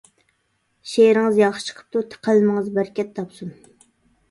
شېئىرىڭىز ياخشى چىقىپتۇ، قەلىمىڭىز بەرىكەت تاپسۇن!